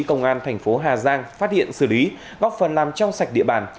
công an thành phố hà giang phát hiện xử lý góp phần làm trong sạch địa bàn